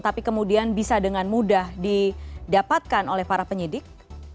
tapi kemudian bisa dengan mudah didapatkan oleh para penyidik